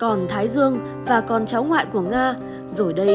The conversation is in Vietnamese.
còn thái dương và các đứa con gái của nga đang là mẹ khi mới một mươi bốn tuổi